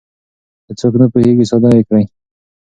که څوک نه پوهېږي ساده يې کړئ.